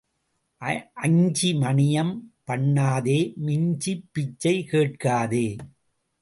அஞ்சி மணியம் பண்ணாதே மிஞ்சிப் பிச்சை கேட்காதே.